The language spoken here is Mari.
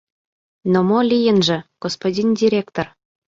— Но мо лийынже, господин директор?